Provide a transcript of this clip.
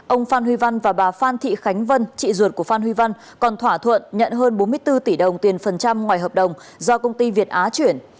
ông phan huy văn và bà phan thị khánh vân chị ruột của phan huy văn còn thỏa thuận nhận hơn bốn mươi bốn tỷ đồng tiền phần trăm ngoài hợp đồng do công ty việt á chuyển